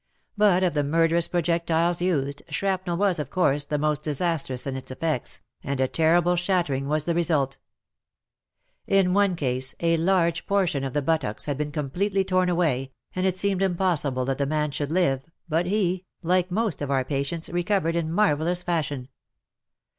But of the murderous projectiles used, shrapnel was, of course, the most disastrous in its effects, and a terrible shattering was the result. In one case a large portion of the buttocks had been completely torn away, and it seemed impossible that the man should live, but he, like most of our patients, recovered in marvellous fashion.